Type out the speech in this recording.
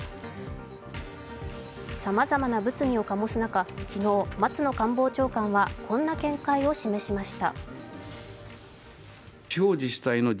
さまざまな物議を醸す中、昨日、松野官房長官はこんな見解を示しました。